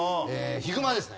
ヒグマですね。